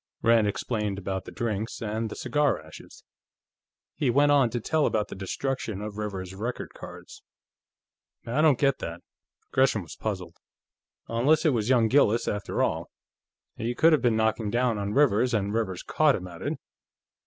Rand explained about the drinks, and the cigar ashes. He went on to tell about the destruction of Rivers's record cards. "I don't get that." Gresham was puzzled. "Unless it was young Gillis, after all. He could have been knocking down on Rivers, and Rivers caught him at it."